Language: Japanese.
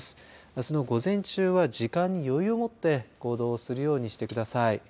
あすの午前中は時間に余裕を持って行動するようにしてください。